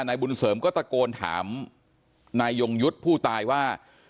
นายบุญเสริมก็ตะโกนถามนายยงยุทธ์ผู้ตายว่า